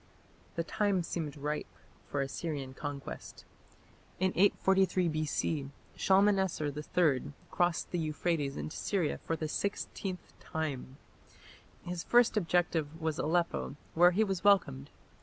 The time seemed ripe for Assyrian conquest. In 843 B.C. Shalmaneser III crossed the Euphrates into Syria for the sixteenth time. His first objective was Aleppo, where he was welcomed.